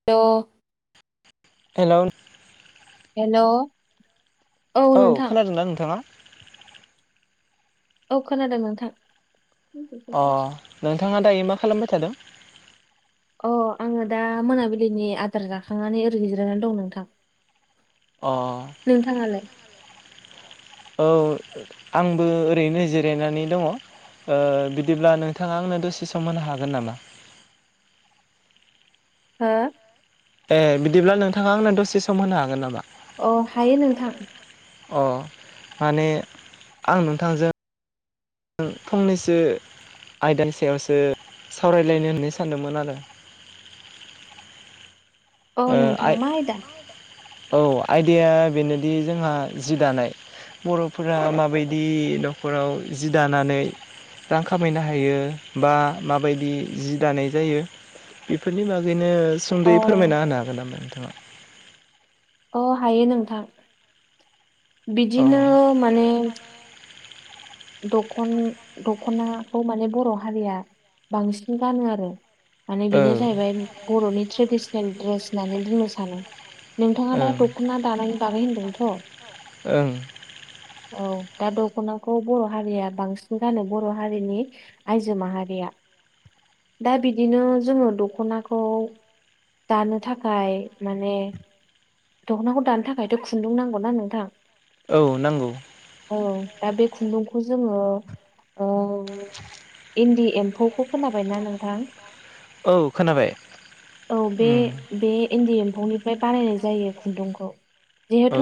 [unintelligible] हेल'। Hello. औ खोनादों ना नोंथाङा? औ खोनादों नोंथां। अ नोंथाङा दायो मा खालामबाय थादों। अ आङो दा मोनाबिलिनि आदार जाखांनानै ओरैनो गजिरायनानै दं नोंथां। अ। [inaudible] औ आंबो ओरैनो जिरायनानै दङ। ओ बिदिब्ला नोंथाङा आंनो दसे सम होनो हागोन नामा? हो? ए बिदिब्ला नोंथाङा आंनो दसे सम होनो हागोन नामा? अ हागोन नोंथां। अ माने आं नोंथांजों आं फंनैसो आयदानि सायावसो सावरायलायनो होननो सानदोंमोन आरो। औ ओ नोंथां आइ मा आयदा औ आयदाया बेनोदि जोंहा जि दानाय। बर'फोरा माबायदि न'खराव जि दानानै रां खामायनो हायो बा माबायदि जि दानाय जायो? बेफोरनि बागैनो अ सुंद'यै फोरमायना होनो हागोन नामा नोंथाङा? अ हायो नोंथां बिदिनो अ माने दखन दख'नाखौ माने बर' हारिया बांसिन गानो आरो। माने बेनो औ जाहैबाय बर'नि ट्रेडिसनेल ड्रेस होननानै बुंनो सानो। नोंथाङा दा ओं दख'ना दानायनि बागै होनदोंथ'। ओं औ दा दख'नाखौ बर' हारिया बांसिन गानो बर' हारिनि आइजो माहारिया। दा बिदिनो जोङो दख'नाखौ दानो थाखाय माने दख'नाखौ दानो थाखायथ' खुन्दुं नांगौना नोंथां। औ नांगौ। औ दा बे खुन्दुंखौ जोङो ओं इन्दि एम्फौखौ खोनाबायना नोंथां? औ खोनाबाय औ बे उम बे इन्दि एम्फौनिफ्राय बानायनाय जायो खुन्दुंखौ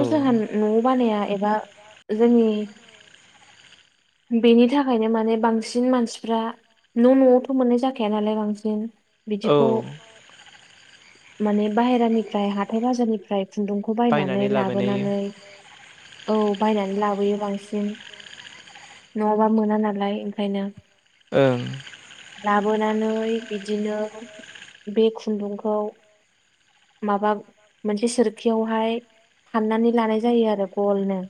औ जोंहा न'आव बानाया एबा जोंनि बेनि थाखायनो माने बांसिन मानसिफ्रा न' न'आवथ' मोननाय जाखाया नालाय बांसिन‌। औ बिदिखौ माने बाहेरानिफ्राय हाथाय बाजारनिफ्राय खुन्दुं खौ बायनानै लाबोनानै औ बायनानै लाबोयो बांसिन। नङाबा मोना नालाय ओंखायनो। ओं। लाबोनानै बिदिनो बे खुन्दुंखौ माबा मोनसे सोरखियावहाय फाननानै लानाय जायो आरो गलनो।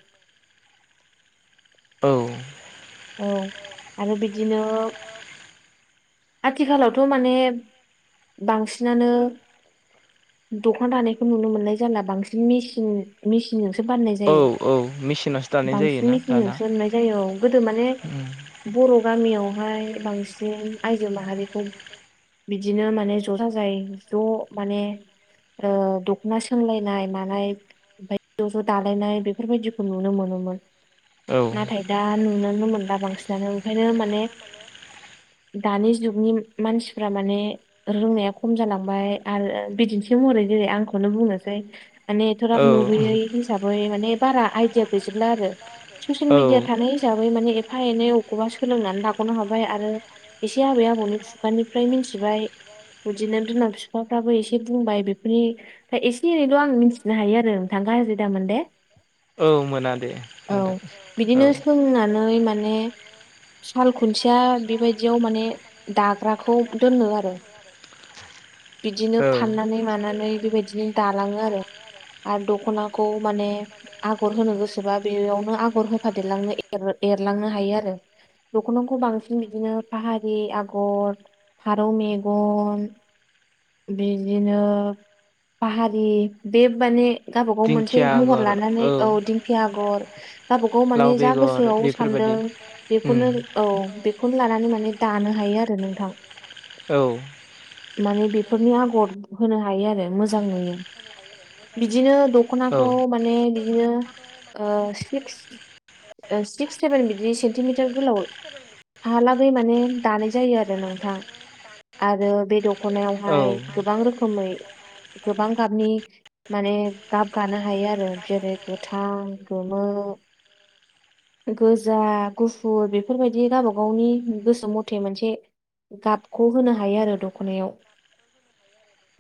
औ औ आरो बिदिनो आथिखालावथ' माने बांसिनानो दख'ना दानायखौ नुनो मोननाय जाला बांसिन मेसिन मेसिनजोंसो बाननाय औ जायो औ मेचिनावसो दानाय बांसिन जायोना दाना मेसिनजों नुनाय जायो गो गोदो माने उम बर' गामियावहाय बांसिन आयजो माहारिखौ बिदिनो माने ज' जा जाय ज' माने ओ दखना सोमलायनाय मानाय ओमफाय ज' ज' दालायनाय बेफोरबायदिखौ नुनो मोनोमोन नाथाय दा नु नुुननो मोनदा बांसिनानो ओंखायनो माने दानि जुगनि मानसिफ्रा माने रोंनाया खम जालांबाय आरो बिदिन्थि महरै जेरै आंखौनो बुंनोसै माने थ'राब औ नुबोैयै हिसाबै माने बारा आइदििया गैजोबला आरो ससियेल मिडिया औ थानाय हिसाबै माने एफा एनै बबखौबा सोलोंनानै लागावनो हाबाय आरो एसे आबै आबौनि खुगानिफ्राय मिनथिबाय बिदिनो बिमााव बिफाफ्राबो एसे बुंबाय बेफोरनि दा एसे एनैल' आं मिथिनो हायो आरोों थांगा हसै दामोन दे। औ मोना दे नोंथां औ नानय माने साल खुन्सेया बेबायदियाव माने दाग्राखौ दोनो आरो बिदिनो फाननानै मानानै बेबायदिनो दालाङो आरो आरो दखनाखौ माने आगर होनो गोसोबा बेयावनो आगर होफादेरलांनो एरलांनो हायो आरो दख'नाखौ बांसिन बिदिनो फाहारि आगर फारौ मेगन बिदिनो फाहारि बे माने गाबबागाव मोनसे दिंखिया महर आगर लानानै औ दिंखि आगर गावबागाव लाव माने जा गोसो बेगर सोआव सान्दों बेफोरबादि उम बेखौनो औ बेखौनो लानानै माने दानो हायो आरो नोंथां। औ माने बेफोरनि आगर होनो हायो आरो मोजां नुयो। बिदिनो औ दखनाखौ माने बिदिनो सिक्स सिक्स सेभेन बिदि सेन्टिमिटार गोलाव हालाबै माने दानाय जायो आरो नोंथां आरो बे दं औ दखनायावहाय गोबां रोखोमै गोबां गाबनि माने गाब गानो हायो आरो जेरै गोथां गोमो गोजा गुफुर बेफोरबायदि गावब गावनि गोसो मथे मोनसे गाबखौ होनो हायो आरो दख'नायाव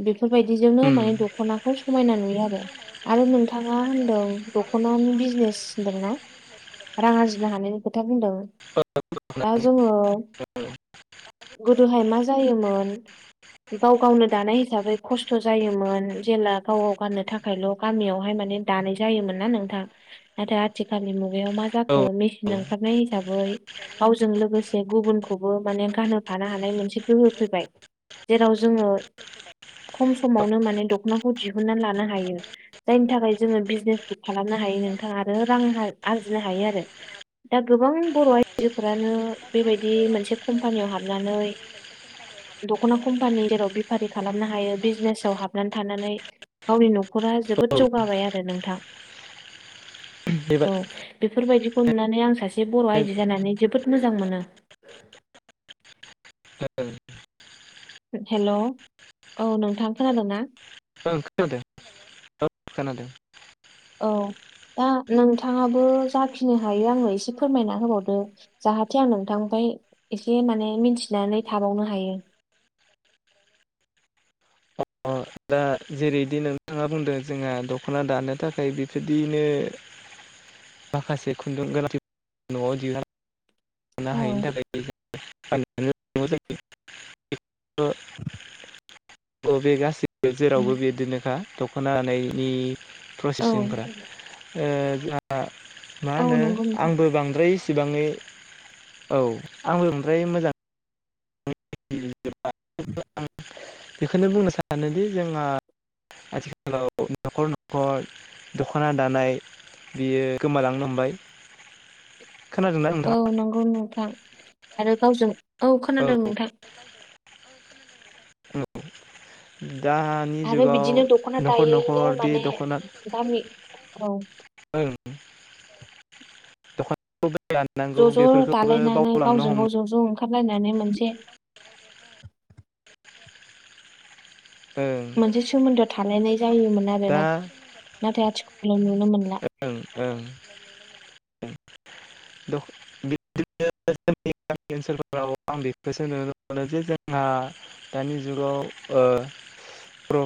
बेफोरबायदिजोंनो उम माने दख'नाखौ समायना नुयो आरो आरो नोंथाङा होनदों दख'नानि बिजनेस होनदोंना? रां आरजिनो हानायनि खोथा बुंदों औ दा जोङो गोदोहाय मा जायोमोन गाव गावनो दानाय हिसाबै खस्थ' जायोमोन जेला गाव गाव गाननो थाखाय थाखायल' गामियावहाय माने दानाय जायोमोन ना नोंथां नाथाय आथि खाालनि मुगायाव मा औ जाखो मेसिन ओंखारनाय हिसाबै गावजों लोगोसे गुबुनखौबो माने गानहोफानो हानाय मोनसे गोहो फैबाय। जेराव जोङो खम समावनो माने दखनाखौ दिहुनन्ना लानो हायो। जायनि थाखाय जोङो बिजनेस खालामनो हायो नोंथाङा आरो रां आरजिनो हायो आरो दा गोबां बर' आइजोफोरानो बेबायदि मोनसे कम्पानियाव हाबनानै दख'ना कम्पानि जेराव बेफारि खालामनो हायो बिजनेसाव हाबनानै थानानै गावनि न'खरा जोबोद जौगाबाय आरो नोंथां औ बेबादिनो बेफोरबायदिखौ नुनानै आं सासे बर' आइजो जानानै जोबोद मोजां मोनो। [unintelligible] हेल' औ नोंथां खोनादों ना? ओं खोनादों औ खोनादों औ दा नोंथाङाबो जाखिनि हायो आङो एसे फोरमायना होबावदो जाहाथे आं नोंथांफाय एसे माने मिथिनानै थाबावनो हायो। अ दा जेरैदि नोंथाङा बुंदों जोंहा दख'ना दानो थाखाय बेबायदिनो माखासे खुन्दुं गोलाथि न'आव दिहुन [unintelligible] औ अ बे गास जेरावबो बिदिनोखा दख'नानायनि औ प्रसेसिंफोरा ओ जोहा मा औ होनो नंगौ नोंथां आंबो बांद्राय इसिबाङै औ आंबो बांद्राय मोजां [unintelligible] बेखौनो बुंनो सानोदि जोंहा आथिखालाव न'खर न'खर दख'ना दानाय बियो गोमालांनो हमबाय खोनादोंना? औ नोंथाङा नंगौ नोंथां आरो गावजों औ खोनादों नोंथां। दा आरो बिदिनो दख'ना दायैनो बे माने दख'ना गामि औ ओं [unintelligible] ज' ज' बेफोरखौबो दालायनानै बावलांनो गावजों गाव ज' हमबाय ज' ओंखारलायनानै मोनसे ओं मोनसे सोमोन्दोआ थालायनाय जायोमोन आरो दा ना नाथाय आथिखालाव नुनो मोनला। ओं ओं ओं [unintelligible] [unintelligible] जोंनि गामि ओनसोलफोराव आं बेखौसो नुनो मोनो जे जोंहा दानि जुगाव ओ प्र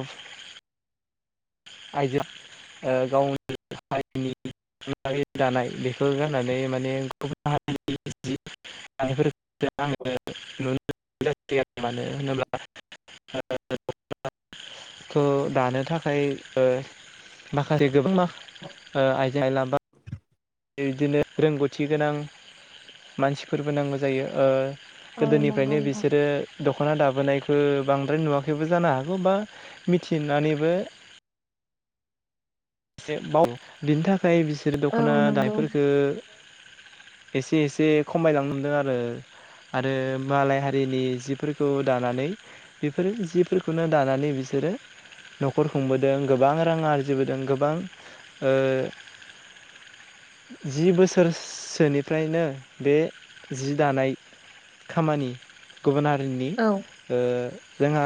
आइजोआ ओ गावनि हारिनि [unintelligible] दानाय बेखौ गाननानै माने गुबुन हारि जि [unintelligible] फोरखौ आङो नुनो मोनै आरो मानो होनोब्ला [unintelligible] थ दानो थाखाय ओ माखासे गोबां आइजें आइला बा बिदिनो रोंगौथि गोनां मानसिफोरबो नांगौ जायो। ओ औ नंगौ गोदोनिफ्रायनो नोंथां बिसोरो दख'ना दाबोनायखौ बांद्राय नुवाखैबो जानो हागौ बा मिथिनानैबो बाव बिनि थाखाय बिसोरो दख'ना औ नंगौ दानायफोरखौ एसे एसे खमायलांनो मोनदों आरो आरो मालाय हारिनि जिफोरखौ दानानै बेफोरो जिफोरखौनो दानानै बिसोरो न'खर खुंबोदों गोबां रां आरजिबोदों गोबां ओ जि बोसोरसोनिफ्रायनो बे जि दानाय खामानि गुबुन हारिनि औ ओ जोंहा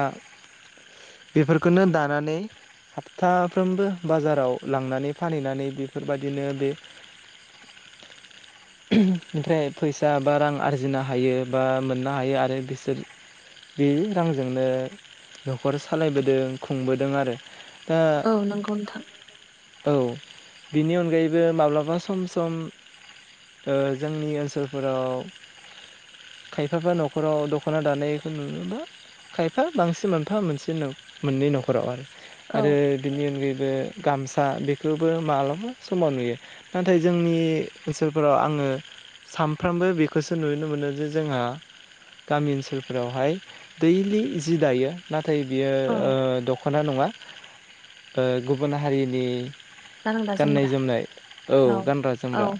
बेफोरखौनो दानानै हाबथाफ्रोमबो बाजार राव लांनानै फानहैनानै बेफोरबायदिनो बे ओमफ्राय फैसा बा रां आरजिनो हायो बा मोननो हायो आरो बिसोर बे रांजोंनो न'खर सालायबोदों खुंबोदों आरो दा औ नोंगौ नोंथां औ बिनि अनगायैबो माब्लाबा सम सम ओ जोंनि ओनसोलफोराव खायफाफ्रा न'खराव दख'ना दानायखौ नुयो ना खायफा बांसिन मोनफा मोनसे मोननै न'खराव आरो औ आरो बिनि अनगायैबो गामसा बेखौबो मालाबा समाव नुयो। नाथाय जोंनि ओनसोलफोराव आङो सानफ्रोमबो बेखौसो नुनो मोनो जे जोंहा गामि ओनसोलफोरावहाय दैलि जि दायो। नाथाय बियो औ ओ दख'ना नङा गुबुन हारिनि गानग्रा जोमग्रा गाननाय जोमनाय औ गानग्रा औ जोमग्रा।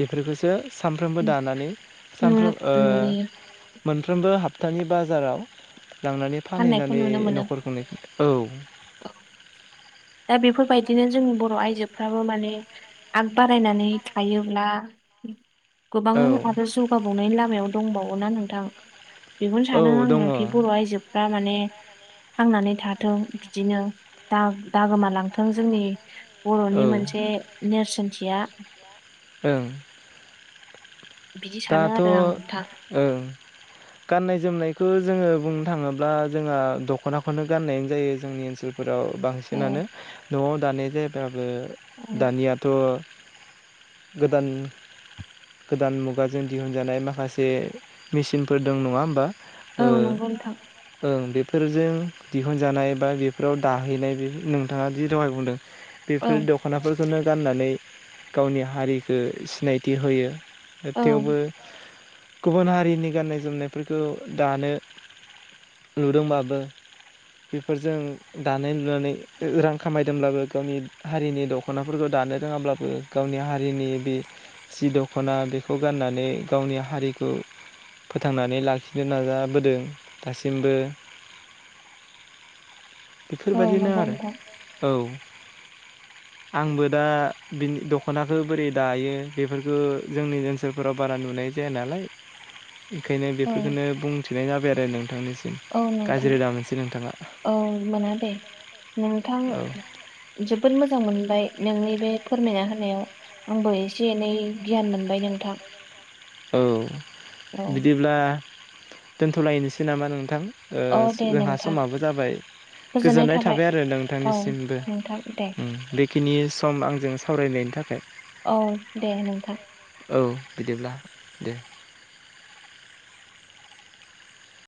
बेफोरखौसो सानफ्रोमबो दानानै नुनो सामफ्रोम ओ नुयो मोनफ्रोमबो हाबथानि बाजाराव लांनानै फाननायखौ फानहैनानै नुनो मोनो न'खरखौनो औ औ दा बेफोरबायदिनो जोंनि बर' आइजोफ्राबो माने आग बारायनानै थायोब्ला गोबां जौगानायनि आरो जौगाबावनायनि लामायाव दंबावो ना नोंथां बेखौनो लामायाव दंबावोना नोंथां औ सानो दङ औ आङोखि बर' आइजोफ्रा माने थांनानै थाथों। बिदिनो दा दा गोमालांथों जोंनि बर'नि मोनसे नेरसोनथिया ओं। बिदि सानो दाथ' आरो ओ आं नोंथां गाननाय जोमनायखौ जोङो बुंनो थाङोब्ला जोंहा दख'नाखौनो गाननायानो जायो जोंनि ओनसोल फोराव औ बांसिनानो न'आव दानाय जायबाबो औ दानियाथ' गोदान गोदान मुगायाव खुग जों दिहुनजानाय माखासे मेचनफोर दं नङा होमबा? औ ओ नंगौ नोंथां ओं बेफोरजों दिहुनजानाय बा बेफोराव दाहैनाय बे नोंथाङा दि दहाय बुंदों औ बेफोर दख'नाफोरखौनो गाननानै गावनि हारिखौो सिनायथि होयो। औ थेवबो गुबुन हारिनि गाननाय जोमनायफोरखौ दानो नुदोंबाबो बेफोरजों दानाय लुनानै रां खामायदोंब्लाबो गावनि हारिनि दख' दख'नाफोरखौ दानो रोङाब्लाबो गावनि हारिनि बे जि दख'ना बेखौ खौ गाननानै गावनि हारिखौ फोथांनानै लाखिनो नाजाबोदों दासिमबो। [inaudible] बेफोरबायदिनो नंगौ आरो नोंथां औ। आंबो दा बिनि दख'नाखौ बोरै दायो बेफोरखौ जोंनि ओनसोल फोराव बारा नुनाय जाया नालाय ओंखायनो औ बेफोरखौनो बुंथिनाय जाबाय आरो नोंथांनिसिम। औ नोंथां गाज्रि दा मोनसै नोंथाङा औ मोना दे नोंथां औ जोबोद मोजां मोनबाय नोंनि बे फोरमायना होनायाव। आंबो एसे एनै गियान मोनबाय नोंथां। औ औ बिदिब्ला दोनथ'लायनोसै नामा नोंथां? औ ओ दे जोंहा नोंथां समाबो जाबाय। गोजोननाय थाबाय आरो औ नोंथांनिसिमबो नोंथां दे उम बे खिनि सम आंजों सावरायनायनि थाखाय। औ दे नोंथां। औ बिदिब्ला दे।